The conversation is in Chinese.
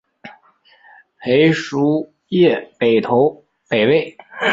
裴叔业北投北魏。